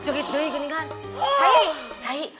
cukit dulu ya gini kan chai chai